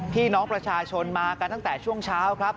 พี่น้องประชาชนมากันตั้งแต่ช่วงเช้าครับ